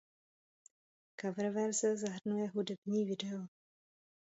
Coververze zahrnuje hudební video.